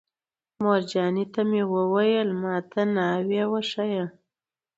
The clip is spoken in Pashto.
مورجانې ته مې ویل: ما ته ناوې وښایه.